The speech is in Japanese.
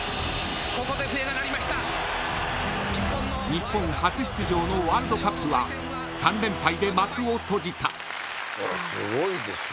［日本初出場のワールドカップは３連敗で幕を閉じた］